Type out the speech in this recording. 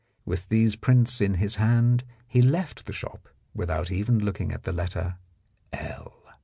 With these prints in his hand, he left the shop without even looking at letter L.